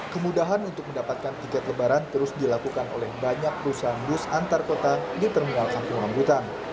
kemudahan untuk mendapatkan tiket lebaran terus dilakukan oleh banyak perusahaan bus antar kota di terminal kampung rambutan